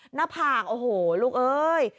หน้าผากโอ้โหลูกเอ้ย